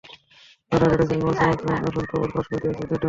বাধা হয়ে দাঁড়িয়েছিলেন ওয়াসিম আকরাম, এমন খবর ফাঁস করে দিয়েছে দ্য ডন।